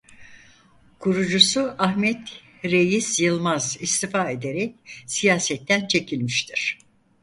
Kurucusu Ahmet Reyiz Yılmaz istifa ederek siyasetten çekilmiştir.